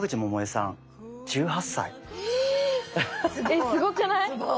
えっすごくない⁉すごい。